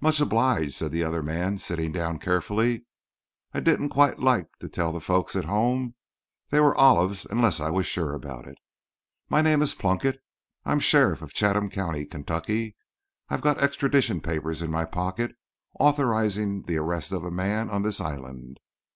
"Much obliged," said the other man, sitting down carefully. "I didn't quite like to tell the folks at home they were olives unless I was sure about it. My name is Plunkett. I'm sheriff of Chatham County, Kentucky. I've got extradition papers in my pocket authorizing the arrest of a man on this island.